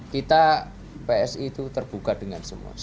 kita psi itu terbuka dengan semua